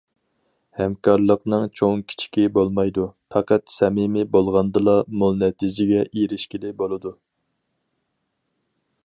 ھەمكارلىقنىڭ چوڭ- كىچىكى بولمايدۇ، پەقەت سەمىمىي بولغاندىلا، مول نەتىجىگە ئېرىشكىلى بولىدۇ.